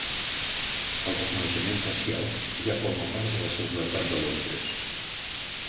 El reconeixement facial ja forma part de la seguretat de Londres